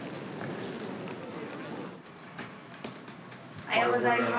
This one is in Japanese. おはようございます。